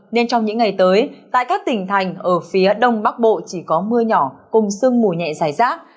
nên trong những ngày tới tại các tỉnh thành ở phía đông bắc bộ chỉ có mưa nhỏ cùng sương mù nhẹ dài rác